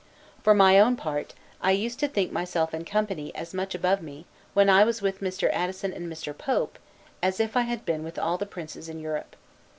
For my own part, I used to think myself in company as, much above me, when I was with Mr. Addison and Mr. Pope, as if I had been with all the princes in Europe.